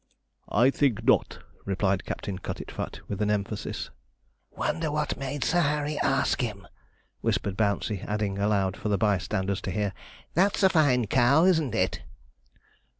'I think not,' replied Captain Cutitfat, with an emphasis. 'Wonder what made Sir Harry ask him!' whispered Bouncey, adding, aloud, for the bystanders to hear, 'That's a fine cow, isn't it?'